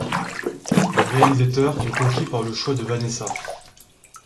Le réalisateur est conquis par le choix de Vanessa.